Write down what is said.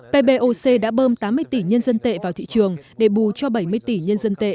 pboc đã bơm tám mươi tỷ nhân dân tệ vào thị trường để bù cho bảy mươi tỷ nhân dân tệ